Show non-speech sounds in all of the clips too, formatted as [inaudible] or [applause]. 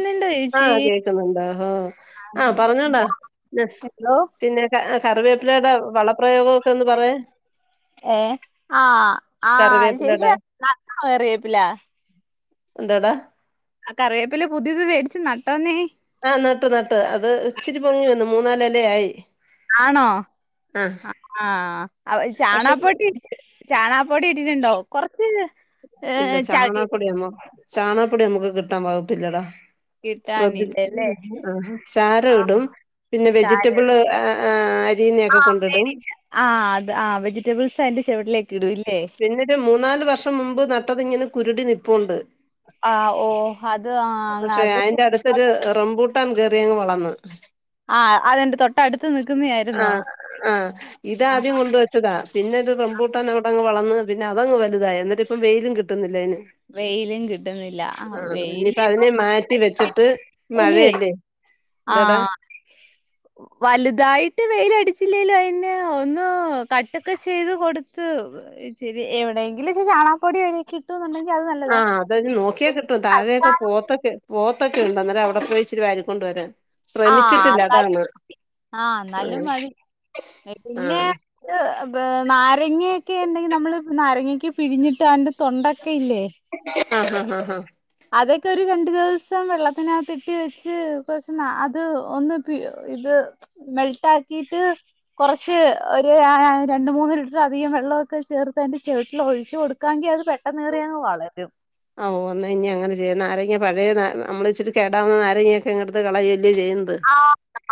ന്നുണ്ടോ ചേച്ചി ആഹ് കേക്കുന്നുണ്ട് ഹോ ആ പറഞ്ഞോടാ എന്തോ പിന്നെ കറിവേപ്പിലയുടെ വള പ്രയോഗം ഒക്കെ ഒന്ന് പറയ് ഏ ആ ആ കറിവേപ്പിലയുടെ ചേച്ചിയെ നട്ടോ കറിവേപ്പില എന്താടാ ആഹ് കറിവേപ്പില പുതിയത് മേടിച്ച് നട്ടോന്നേ ആഹ് നട്ട് നട്ട് അത് ഇച്ചിരി പൊങ്ങി വന്നു മൂന്നാല് എല ആയി ആണോ ആ അത് പക്ഷെ ഇപ്പൊ- ചാണകപ്പൊടി ചാണകപ്പൊടി ഇട്ടിട്ടുണ്ടോ കൊറച്ച് ഇല്ല ഏഹ് ചകി ചാണകപ്പൊടിയൊന്നും ചാണകപ്പൊടി നമ്മുക്ക് കിട്ടാൻ വകുപ്പില്ലടാ കിട്ടാനില്ലല്ലേ [unintelligible] ആ ചാരം ആഹ് ഇടും പിന്നെ ചാരം ഇടും. വെജിറ്റബിള് ആ അരീയുന്ന ഒക്കെ ആഹ് കൊണ്ടിടും മേടിച്ച ആഹ് അതാ ആ വെജറ്റബിൾസ് അതിന്റെ ചുവട്ടിലേക്ക് ഇടൂല്ലേ പിന്നൊരു മൂന്നാല് വർഷം മുമ്പ് നട്ടത് ഇങ്ങനെ കുരുടി നിപ്പുണ്ട് ആഹ് ഓ അത് ആ അ അത് ഒരു റംബൂട്ടൻ കയറി അങ്ങ് വളന്ന് ആ അതിന്റെ തൊട്ടടുത്ത് നിക്കുന്നയായിരുന്നോ ആഹ് ആഹ് ഇത് ആഹ് ആദ്യം കൊണ്ട് വ ച്ചതാ പിന്നെ ഒരു റമ്പൂട്ടാൻ അവിടങ്ങ് വളന്ന് പിന്നെ അതങ്ങ് വലുതായി എന്നിട്ട് ഇപ്പം വെയിലും കിട്ടുന്നില്ല അതിന് വെയിലും കിട്ടുന്നില്ല ആ ആഹ് ഇനിയിപ്പ വെയിലിപ്പം അതിനെ മാറ്റി വെച്ചിട്ട് മഴയല്ലേ എന്താടാ ആഹ് വലുതായിട്ട് വെയിൽ അടിച്ചില്ലേലും അതിന് ഒന്ന് കട്ടൊക്കെ ചെയ്ത് കൊടുത്ത് ശരി എവിടെങ്കിലും ഇച്ചിരി ചാണകപൊടി കിട്ടൂന്നുണ്ടെങ്കിൽ ആഹ് അതൊന്ന് നോക്കിയാ കിട്ടും താഴെയൊക്കെ തൽക്കാലം പോത്തൊക്കെ പോത്തൊക്കെയുണ്ട് അന്നേരം അവിടെ പോയി ഇച്ചിരെ വാരിക്കൊണ്ട് വരാം ആഹ് എന്നാലും ആഹ് എന്നാലും മതി പിന്നെ ആഹ് നാരങ്ങയൊക്കെ ഉണ്ടെങ്കിൽ നമ്മള് നാരങ്ങയൊക്കെ പിഴിഞ്ഞിട്ട് അതിന്റെ തൊണ്ടൊക്കെ ഇല്ലേ ആഹ് ആഹ് ആഹ് ആഹ് അതൊക്കെ ഒരു രണ്ട് ദിവസം വെള്ളത്തിനകത്ത് ഇട്ട് വെച്ച് കൊറച്ച് അത് ഒന്ന് ഇത് മെൽട്ടാക്കിയിട്ട് കുറച്ച് ഒരു രണ്ട് മൂന്ന് ലിറ്റർ അധികം വെള്ളമൊക്കെ ചേർത്ത് അതിന്റെ ചോട്ടിൽ ഒഴിച്ച് കൊടുക്കാങ്കിൽ അത് പെ പെട്ടനേറിയങ് വളരും ഓ അാ ഇനി അങ്ങനെ ചെയ്യ നാരങ്ങ പഴയ നമ്മള ഇച്ചിട്ട് കേടാവുന്ന നാരങ്ങൊക്കെ ഇങ്ങടു കള ചോല്യ ചെയ്യുന്നത് ആ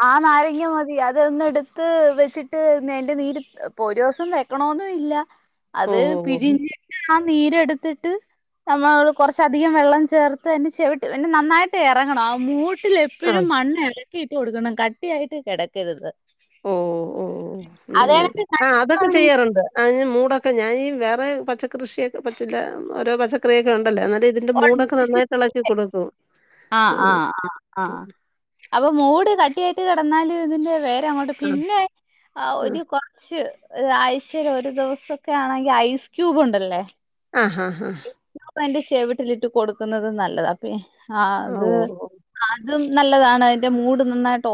ആ നാരങ്ങ മതി അതൊന്ന എടുത്ത് വെച്ചിട്ട് എന്റെ നീര് പോ ഒരു ദിവസം വ ക്കണന്നല്ല അത് ഓഹ് ഓഹ് ഓഹ് പിരിഞ്ഞിട്ട് ആ നീരെടുത്തിട്ട് നമ്മൾ കുറച്ച അധികം വെള്ളം ചേർത്ത് എന്നന്നെ ചെവിട്ട എന്നെ നന്നായിട്ട് ഇറങ്ങണം ആ മൂട്ടില ആഹ് എപ്പോഴും മണ്ണ് ഇടക്കിയിട്ട് കൊടുക്കണം കട്ടിയ ആയിട്ട് കിടക്കരുത് ഓ ഓ ഓ നെ അതായത് ആഹ് അതൊക്കെ കട്ടിയാണെങ്കിൽ ചെയ്യാറുണ്ട് അതിന് മൂടൊക്കെ ഞാനീഈ വേറെ പച്ചക്കൃഷിയൊക്കെ പച്ചഓ പച്ചക്കറിയൊക്കെ ഉണ്ടല്ലേ എന്ന ഇതിന്റെ മൂടൊക്കെ നന്നായിട്ട് ഇളക്കി കൊടുക്കും ഉം. ആഹ്ആഹ് ആഹ് ആഹ് അപ്പൊ മൂട് കട്ടിയായിട്ട് കിടന്നാലും ഇതിന്റെ വേ ങ്ങട്ട് ആ പിന്നെ ആ ഒരു കു ച്ച് ഒരാഴ്ചൽ ഒരു ദിവസൊക്കെ ആണെങ്കിൽ ഐസ് ക്യൂബ് ഉണ്ടല്ലേ ആഹ് ഹാ ആഹ് പ്പ എന്റെ ചെവിട്ടിലിട്ട് കൊടുക്കുന്നത് നല്ലത അപ്പ ആ അത് ഓ ഓ അതും നല്ലതാണ് അതിന്റെ മൂഡ് നന്നായിട്ട്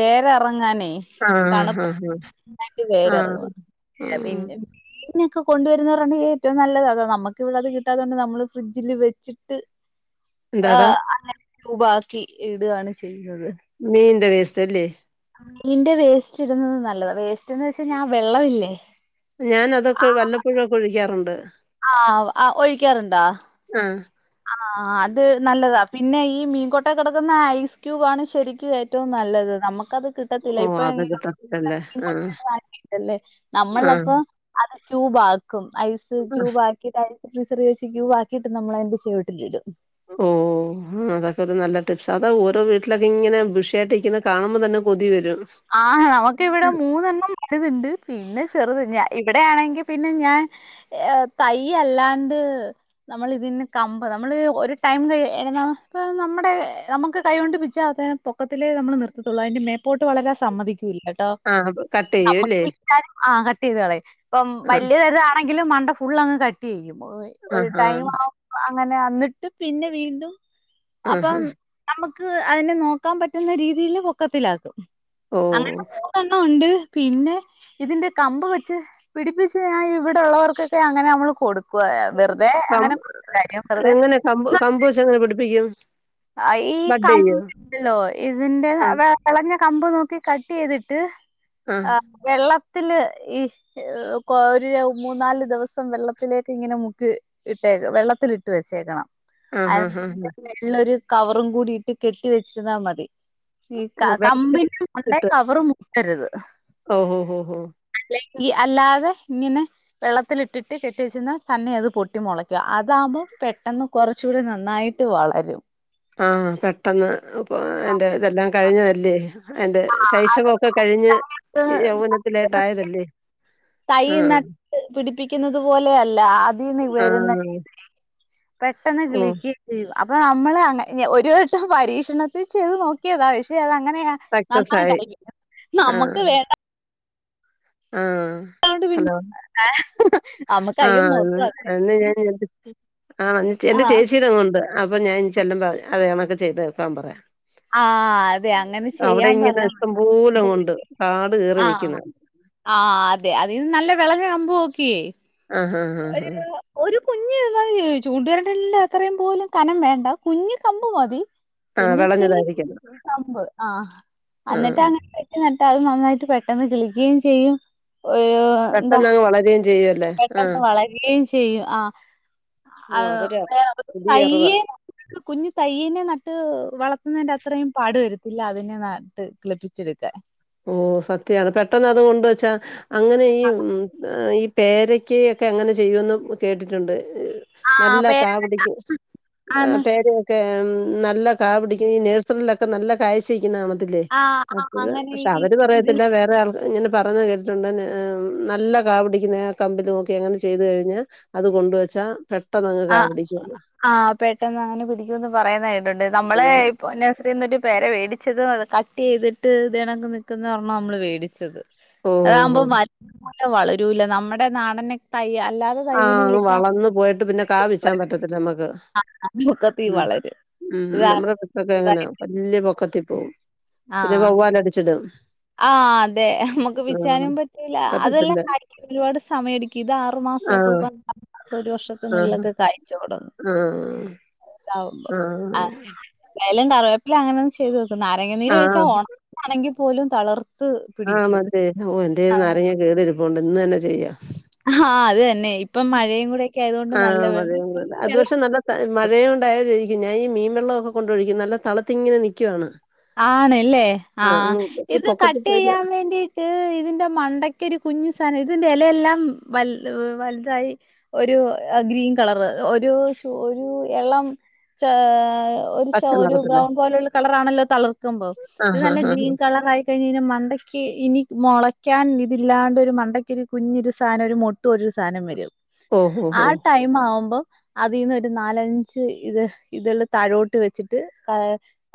വേറെ ഇറങ്ങാനേ ആ ആ തണുപ്പ് ആ ആ ഇല്ലെങ്കിൽവേര്റങ്ങു ഉം പിന്നെ ഇന്നെയൊക്കെ കൊണ്ടുവരുന്നവരാണ് ഏറ്റവും നല്ലത് നമ്മുക്ക് ഇവിളത് കിട്ടാത്തതുകണ്ട് നമ്മ ഫ്രിഡ്ജിൽ വെച്ചിട്ട് ആ എന്താടാ അങ്ങനെ ഐസ് ക്യൂബ ആക്കി ഇടുകയാണ് ചെയ്യുന്നത് മീൻ്റേ വേസ്റ്റ് അല്ലേ മീന്റെ വേസ്റ്റ് ഇടുന്നത് നല്ലതാണ് വേസ്റ്റ് എന്ന് വെച്ചാ ഞാൻ വെള്ളമില്ലേ ഞാൻ അതൊക്കെ ആഹ് വല്ലപ്പഴൊക്കെ ഒഴിക്കാറുണ്ട് ആഹ് ആഹ് ഒഴിക്കാറുണ്ടാ ആഹ് ആഹ് അത് നല്ലതാ പിന്നെ ഈ മീൻകോട്ട കിടക്കുന്ന ഐസ് ക്യൂബ് ആണ് ശരിക്കും ഏറ്റവും നല്ലത് നമുക്കത്ട്ട ത്തില്ല ഓ അത് കിട്ടത്തില്ലല്ലേ ആ ഇപ്പല്ലേ ആ നമ്മളപ്പൊ അത് ക്യൂബ ആക്കും ഐസ് ക്യൂബ ആക്കിയിട്ട സ് ബീസറി വെച്ച് ക്യൂബ ആക്കിയിട്ട് നമ്മളെന് ചെവിട്ടിലിടും ഉം ഉം ഇതൊക്കെ ഒരു നല്ല ടിപ്സ് അത ഓരോ വീട്ടിലൊക്കെ ഇങ്ങനെ വൃഷിയായിട്ട് ഇരിക്ക് ണകാണുമ്പോ തന്നെ കൊതി വരും ആ ഹ് അവക്ക് ഇവിടെ മൂന്നെണ്ണം ഇത്ണ്ട് പിന്നെ ചെറുത് ഞ ഇവിടെ ആണങ്കിപിന്നെ ഞാൻ ഏ യ് തയ്യ് എല്ലാണ്ട് നമ്മൾ ഇതിന്ന് കമ്പ് നമ്മള് ഒരു ടൈം ക നമ്മടെ നമക്ക് കൈകൊണ്ട് പിച്ചാതെ പൊക്കത്തിലേ നമ്മള് നിർത്തും തൊള്ള അതിന്റെ മേപ്പോട്ട് ട്ട് വളരെ സമ്മതിക്കൂല്ല ഇട്ടോ ആ കട്ട് ചെയ്യും അല്ലേ? നമ്മക്ക് ആ കട്ടെയ്ത്കളയും ഇപ്പം ആ വലിയതരുതാണെങ്കിലും മണ്ട ഫുള്ളഅങ്ങ് കട്ട്യ്യും ഒരു ആഹാ, ടൈം ആ അങ്ങനെ ന്നിട്ട് പിന്നെ വീണ്ടും അപ്പം ആഹാ. നമക്ക് അയിനെ നോക്കാൻ പറ്റുന്ന രീതിയിൽന്ന് പൊക്കത്തിലായ് ത്തും ഓഹ് എത്ര എണ്ണം ഉണ്ട് പിന്നെ ഇതിന്റെ കമ്പ് വെച്ച് പിടിപ്പിച്ച് ഞാൻ ഇവിടെഉ ള്ളവർക്കൊക്കെ അങ്ങനെ നമ്മള് കൊടുക്കുവ വെറുതെ കം അങ്ങനെ കാര്യം വെറുതെ എങ്ങനെ കമ്പ് കമ്പൂ ചങ്ങനെ പിടിപ്പിക്കും അയീ ബഡ് കം ചെയ്യോ? ഹെലോ, ഇതിന്റെ ആ, വളഞ്ഞ കമ്പ് നോക്കി കട്ടയ്തിട്ട്, ആ. അ വെള്ളത്തില് ഇ ഒരു മൂന്നാല് ദിവസം വെള്ളത്തിലേക്ക് ഇങ്ങനെ മുക്കി ഇട്ടേക്ക് വെള്ളത്തിലിട്ട് വെച്ചേക്കണം. ആഹാഹാഹാ. അതിന്റെ മേളിൽ ഒരു കവറും കൂടിയിട്ട് കെട്ടി വെച്ചിരുന്നാ മതി. ഓഹ് കമ്പിന് [unintelligible] വെള്ളത്തിലിട്ടിട്ട്. കവർ മുറുക്കരുത്. ഓഹോഹോഹോ. അല്ലെങ്കി അല്ലാതെ ഇങ്ങനെ. വെള്ളത്തിലിട്ടിട്ട് കെട്ടി വെച്ചിന്നാ, തന്നെ അത് പൊട്ടി മൊളക്കു അതാവുമ്പോ പെട്ടെന്ന് കൊറച്ചൂടെ നന്നായിട്ട് വളരും. ആ പെട്ടെന്ന് അപ്പൊ എന്റെതെല്ലാം കഴിഞ്ഞതല്ലേ. എന്റെ ശൈശവം ഒക്കെ കഴിഞ്ഞ്, യൗവനത്തിലേട്ടയതല്ലേ. തൈയ്യ് നട്ട് പിടിപ്പിക്കുന്നത് പോലെ അല്ല അതിന്ന് ആ. വരുന്നെ പെട്ടെന്ന് ഓഹ് കിളിക് ചെയ്യും. അപ്പൊ നമ്മള് അ ഒരു വട്ടം പരീക്ഷണത്തിൽ ചെയ്ത് നോക്കിയതാ പക്ഷെ അത് അങ്ങനെയാ. സക്സസ് ആയി. നന്നായിട്ടായിരിക്കും. നമ്മുക്ക് വേണ്ട ആഹ്. ഹലോ, നമുക്ക് അയ്യോ ആഹ് മൊത്തം അതാ അന്ന് ഞാൻ ആ എന്റെ ആ ചേച്ചീ ടെ മോൻണ്ട് അപ്പൊ ഞാൻ ഇനി ചെല്ലുമ്പോ അതെ കണക്ക് ചെയ്ത് തീർക്കാൻ പറയാ. ആ അതെ അങ്ങനെ അവിടെ ചെയ്യാൻ ഇങ്ങനെ പറഞ്ഞ ഇഷ്ടം പോലെ ഉണ്ട് കാട് കേറി നിക്കെന്ന്. ആ അതെ അതിന്ന് നല്ല വിളഞ്ഞ കമ്പ് നോക്കിയേ ആഹാ. ഒരു കുഞ്ഞ് ചൂണ്ടുവരലിന്റെ അത്രയും പോലും കനം വേണ്ട കുഞ്ഞ് കമ്പ് മതി ആ പിന്നെ ഇച്ചിരി വെളഞ്ഞതായിരിക്കും. കമ്പ്, ആഹ് ആ. അന്നിട്ട് അങ്ങ എന്നിട്ട് നട്ടാൽ അത് നന്നായിട്ട് പെട്ടെന്ന് കിളിക്കുകയും ചെയ്യും. ഒരു പെട്ടെന്നങ് വളരുകയും ചെയ്യുവല്ലേ. ആ. പെട്ടന്ന് വളരുകയും ചെയ്യും. ആ ഓ അഹ് അതൊരു പുതിയ അറിവാ. പയ്യെ. കുഞ്ഞ് തയ്യന്നെ നട്ട് വളർത്തുന്നതിന്റെ അത്രയും പാട് വരത്തില്ല. അതിനെ നട്ട് കിളിപ്പിച്ചെടുക്കാൻ. ഓ സത്യാണ്. പെട്ടെന്ന് അത് കൊണ്ടവെച്ചാ അങ്ങനെ ഈ ഈ പേരക്ക ഒക്കെ അങ്ങനെ ചെയ്യുന്ന് കേട്ടിട്ടുണ്ട്. ആഹ് നല്ല പേര കാ പിടികും. ആണ് പേരെയോക്കെ നല്ല കാ പിടികും. നേഴ്സറിയിലൊക്കെ നല്ല കായ്ച്ച് ഇരിക്കുനെ കാണത്തില്ലേ. ആഹ് ആഹ് അപ്പഴ് അങ്ങനെ പക്ഷെ ഈ അവര് ഇതിൽ പറയത്തില്ല. വേറെ ആൾ ഇങ്ങനെ പറയുന്നെ കേട്ടിട്ടുണ്ട്. നല്ല കാവടിക്ക് കമ്പി തൂക്കി അങ്ങനെ ചെയ്തു കഴിഞ്ഞാൽ അത് കൊണ്ടു വെച്ചാ. പെട്ടെന്ന് ആഹ ആഹ പെട്ടെന്ന് അങ്ങനെ പിടിക്കുന്ന് പറയുന്ന കേട്ടിട്ടുണ്ട് നമ്മള് ആഹ് ഇ നായ്സറിന്ന് ഒരു പേര വേടിച്ചത്, അത് കട്ട് ചെയ്തിട്ട് ഇതെ കണക് നിക്കുന്ന പറഞ്ഞാ നമ്മള് മേടിച്ചത്. അതകുമ്പോ ഓഹോ മരം പോലെ വളരൂല്ല. നമ്മുടെ നാടൻ തൈ അല്ലാതെ. ആഹ തൈവിന് അങ്ങ് കിളിക്കാൻ വളർന്നു പോയിട്ട്. പിന്നെ കാപിച്ചാൻ പറ്റത്തില്ല നമ്മക്ക്. പൊക്കത്തി ഉ വളരും ഉ. നമ്മുടെ ഇവടോക്കെ ഇതാ അങ്ങനാ. വലിയ പൊക്കത്തിൽ പോവും. പിന്നെ വവ്വാല അടിച്ചിടും. ആഹ അതെ നമുക്ക് പിച്ചാനും പറ്റൂല. അതെല്ലാം പറ്റത്തില്ല കഴിക്കാൻ ഒരുപാട് സമയ എടുക്കും ഇത് ആ ആറു മാസ ഓക്കേ ആഹ് [unintelligible] മാസം ഒരു ആഹ് വർഷത്തിനിലൊക്കെ കാഴ്ചോളും. [unintelligible] ആഹ് ആഹ് അങ്ങനെ എന്തായാലും [unintelligible] അല്ല അങ്ങനെ ഒന്ന് ചെയ്തോക്ക്. നാരങ്ങ നീര് ആഹ് ഒഴിച്ചാൽ ഒണക്കാണെങ്കിപോലും ആ മതേ ഓ എൻ്റേൽ നാരങ്ങ കേടരിപ്പുണ്ട് ഇന്ന് തന്നെ ചെയ്യാ. ഹാ അത് തന്നെ ഇപ്പം മഴയും കൂടെ ഒക്കെ ആയതോണ്ട് നല്ല [unintelligible] മഴയുണ്ടായാലായിരിക്കും ഞാൻ ഈ മീൻവെള്ളം ഒക്കെ കൊണ്ടൊഴിക്കും. നല്ല തളത്തിങ്ങനെ നിക്കുവാണ്. ആണല്ലേ ആ അങ്ങ് ഈ ഇത് പൊക്കത്തി പോയില്ല കട്ടയ്യാൻ വേണ്ടി [unintelligible] ഇതിന്റെ മണ്ടയ്ക്കൊരു കുഞ്ഞു സാനം ഇതിന്റെ എലയെല്ലാം വൽ വൽതായി. ഒരു ഗ്രീൻ കളർ ഒരു ഷു ഒരു എളം ചാ ഒരു ചൊ പച്ച ഒരു നിറത്തില്. ബ്രൗൺ പോലുള്ള കളറാണല്ലോ തളർക്കുമ്പം ആ ഇത് ഹാ നല്ല ഹാ ഹാ. ഗ്രീൻ ക കളറായി കഴിഞ്ഞഴ്ഞ്ഞ മണ്ടക്കി ഇനി മൊളയ്ക്കാൻ ഇതില്ലാണ്ടരു മണ്ടക്കി ഒരു കുഞ്ഞൊരു സാനം ഒരു മു തൊരു സാനം വരും ഓ! ഹോ! ആ ഹോ! ടൈം ആവുമ്പം അതീന്ന് ഒരു നാലഞ്ച് ഇത് ഇതൾ തഴോട്ട് വെച്ചിട്ട് ഹേ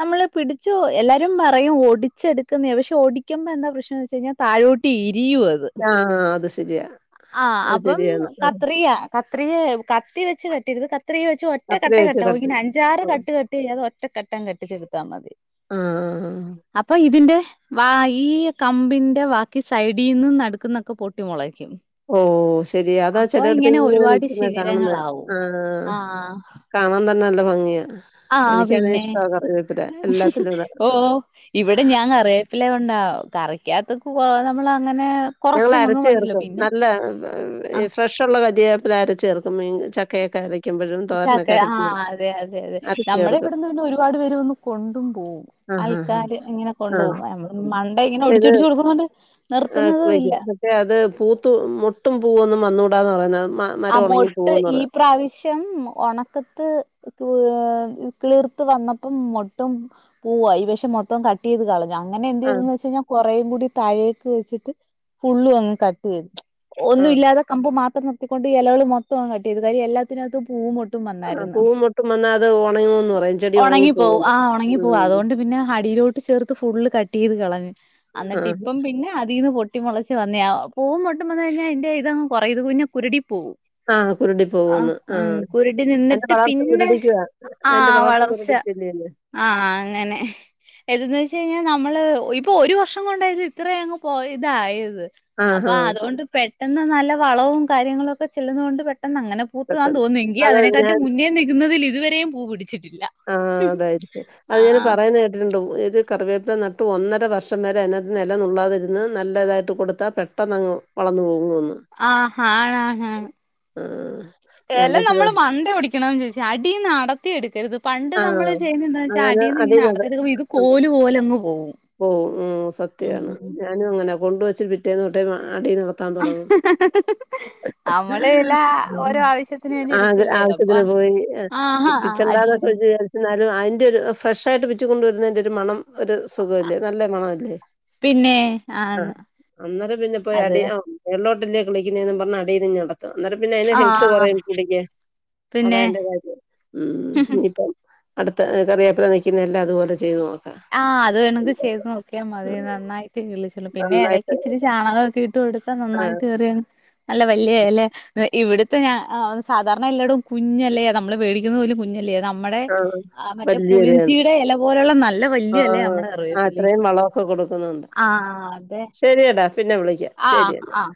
നമ്മള് പിടിച്ചു എല്ലാരും പറയും ഒടിച്ചെട്ക്കുന്നേ പക്ഷെ ഒടിക്കുമ്പം എന്താ പ്രശ്നംന്ന് വെച്ച് കഴിഞ്ഞ താഴോട്ട് ഇരിയും അ പ്പ് ആ അത് ശരിയാ. ആ അത് അപ്പം ശരിയാണ്. ആ കത്രിയ കത്രിയെ കത്തി വെച്ച് കട്ടയ്യരുത് ക കത്രിക വെച്ച് ഒറ്റ കത്രിക കട്ടേ വെച്ച് കട്ടാവു കട്ട് ഇങ്ങനെ ചെയ്യണം. അഞ്ചാറ് ആ. കട്ട് കട്ട് ചെയ്യാതെ ഒറ്റ കട്ട ഇങ്ങട്ട് ചെയ്ത്. മതി ആ ആ. അപ്പ ഇതിന്റെ വാ ഈ കമ്പിന്റെ ബാക്കി സൈഡീന്ന് നട്ക്ക്ന്നൊക്കെ പൊട്ടി മൊളക്കും. ഓ ശരിയ അതാ ചെലയിടത്ത് ഇങ്ങനെ ഒരുപാട് നിൽക്കുന്ന കാണുന്നേ ശിഖരങ്ങളാവും ആ ആഹ് കാണാൻ തന്നെ നല്ല ഭംഗിയ ആ പിന്നെ എല്ലാത്തിലും ഇടുന്നെ. ഓ ഇവിടെ ഞാങ്ങ അറിയ പിള്ളെ ഉണ്ട കറിക്കഹത്ത് കു കൊറേ നമ്മൾ അങ്ങനെ കൊറച്ച് ഞങ്ങള് നമുക്ക് അരച്ച് മതിയല്ലോ ചേർക്കും പിന്നെ നല്ല ആ ഫ്രഷ്ള്ള കറിവേപ്പില അരച്ചേർക്കും മീൻ ച ചക്കേ ആ അതെ അതെ അതെ അരച്ച് നമ്മള് ചേർക്കും. ഇവിടുന്ന് പിന്നെ ഒരുപാട് പേര് വെന്ന് കൊണ്ടും പോവും. ആഹ് ആഹ് ആഹ്. അയൽക്കാര് ഇങ്ങനെ കൊണ്ട് ആഹ്. പോകും. ഞമ്മള് മണ്ടേ ഇങ്ങനെ ഇത് ഒടിച്ചൊടിച്ച് കൊടുക്കുന്നോണ്ട് നിർത്തുന്നതും ഇല്ല. മേ അത് പൂത്തു മുട്ടും പൂവൊന്നും വന്നൂടാന്ന് പറയുന്നേ മ ആ മരം ഉണങ്ങി മുട്ട് പോവൂന്ന് ഈ പറയും. പ്രാവ ശ്യം ഒണക്കത്ത് [unintelligible] കിളിർത്ത് വന്നപ്പം മുട്ടും പൂ അയ് വെഷം മൊത്തം കട്ടയ്ത് കള അങ്ങനെ ആഹ് എന്തയ്തുന്ന് വച്ച് കഴിഞ്ഞാ കൊറേയും കൂടി താഴേക്ക് വെച്ചിട്ട് ഫുള്ള് ഒന്ന് കട്ടയ്ത്. ഒന്നും ആഹ്. ഇല്ലാത്ത കമ്പ് മാത്രം നിർത്തിക്കൊണ്ട് എലകള് മൊത്തങ്ങ് കട്ടയ്ത് കാര്യ എല്ലാത്തിനകത്തും പൂ മു ത്തും ആഹ് വന്നായിരുന്ന് പൂവും മൊട്ടും വന്നാ അത് ഉണങ്ങൂന്ന് പറയും. ചെടി ഉണങ്ങി ഒണങ്ങിപ്പോവും പോവൂന്ന്. ആ ഒണങ്ങിപ്പോവും ഉം അതുകൊണ്ട് പിന്നെ ഹടിയിലോ ചേർത്ത് ഫുള്ള് കട്ടയ്ത് കളഞ്ഞ് അന്നട്ട് ആഹ് ഇപ്പം പിന്നെ അതീന്ന് പൊട്ടി മൊളച്ച് വന്നയാ പൂവും മുട്ട് വന്ന് കഴിഞ്ഞ ഇന്റെ ഇതങ്ങ് [unintelligible] കുരുടി പോവും. ആ കുരുടി പോകുന്ന് ആ കുരുടി അയ്ന്റെ നിന്നിട്ട് വളർച്ച പിന്നെ മുരടിക്കുവാ അയ്ന്റെ വളർച്ച മുരടി പിന്നെയെല്ലേ ആ ആ അങ്ങനെ ഏതന്ന് വെച്ച് കഴിഞ്ഞ നമ്മള് ഇപ്പൊ ഒരു വർഷം കൊണ്ടയത് ഇത്രേ അങ്ങ് പോയതായത്. അപ്പ ആഹ് ആഹ് അതുകൊണ്ട് പെട്ടെന്ന് നല്ല വളവും കാര്യങ്ങളും ഒക്കെ ചെല്ലുന്നോണ്ട് പെ ട്ടെന്ന് അങ്ങനെ പൂത്ത് താൻ പെട്ടെന്ന്. തോന്നുങ്കി അത് ഞാൻ അതിനെക്കാട്ടി മുന്നേ നിക്കുന്നതിൽ ഇതുവരെയും പൂ പിടിച്ചിട്ടില്ല. ആ അതായിരിക്കും അത് ഞാൻ ആഹ് പറയാൻ കേട്ടിട്ട്ണ്ടാവും ഇത് കറിവേപ്പില നട്ട് ഒന്നര വർഷം വരെ അതിനകത്ത്ന്ന് എല നുള്ളാതിരുന്ന് നല്ലതായിട്ട് കൊടുത്താ പെട്ടെന്ന് അങ്ങ് വളർന്ന് പോകുന്നു എന്ന് ആ [unintelligible] ആഹ് ഞാൻ എല നമ്മള് വിചാരിച്ചത് മണ്ട ഒടി ക്കണം ചോയ്ച്ച് അടീന്ന് അടത്തി എട്ക്കരുത് പണ്ട് ആഹ് നമ്മള് ചെയ്യുന്നേ എന്താച്ചാ അങ്ങനെ അടീന്ന് ഇങ്ങനെ അടീന്നത് [unintelligible] ഇത് ഉണ്ട് കോല് പോലങ്ങ് പോവും. പോവും ഉം സത്യാണ് ഉം ഞാനും അങ്ങനെ കൊണ്ടുവെച്ച് പിറ്റേന്ന് തൊട്ടേ അടീന്ന് ത്താ തുടങ്ങും നമ്മള് ഇല ഓരോ ആവശ്യത്തിന് വേണ്ടി ആക എടുക്കല്ലേ ആഹ് അപ്പൊ ഇതിന് പോയി ആഹാ പിച്ചണ്ടാന്ന് അടീന്ന് [unintelligible] എന്നാലും അയിന്റെ ഒരു ഫ്രഷായിട്ട് പിച്ചി കൊണ്ടുവരുന്നതിന്റെ ഒരു മണം ഒരു സുഖല്ലേ നല്ല മണല്ലേ പിന്നെ ആന്ന് ആഹ് അന്നേരം പിന്നെ പോയി അത് അടി ആഹ് വെള്ളോട്ടല്ലേ കളിക്കുന്നതന്ന് പറഞ്ഞ അടയി ഞ്ഞട അന്നേരം പിന്നെ അയി ഹെൽത്ത് ആഹ് ആഹ് കുറയും കുടിക്ക പിന്നെ അതഅയിന്റെ കാര്യം ഉം ഇനിപ്പം അടുത്ത കറിയേപ്പില നതായ് ച്ചിതെല്ലാം അതുപോലെ ചെയ്ത് നോക്കാം ആഹ് അത് വേണെങ്ക ചെയ്ത് നോക്കിയാ മതി നന്നായിട്ട് വിളിച്ച പിന്നെ എടയ്ക്ക് നന്നായിട്ട് ഇച്ചിരി ചാണകമൊക്കെ ഇട്ട് കൊടുത്ത ആ നന്നായിട്ട് കയറിയ നല്ല വലിയ ഇല ഇവിടത്തെ ഞാ സാധാരണ എല്ലാടും കുഞ്ഞല്ലേ നമ്മള് വേടിക്കുന്നുന്നത് പോലും കുഞ്ഞല്ലേ നമ്മടെ ആ മറ്റേ പുളിഞ്ചിയുടെ എല പോലുള്ള നല്ല വല്യ എലയാ ആഹ് നമ്മടെ അത്രയും കറിവേപ്പിലയ്ക്ക് വളമൊക്കെ കൊടുക്കുന്നുണ്ട്. ആഹ് അതെ ശരിയടാ പിന്നെ വിളിക്കാം ആഹ് ശരി. ആഹ്